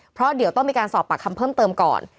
เพราะเดี๋ยวต้องมีการสอบปากคำเพิ่มเติมก่อน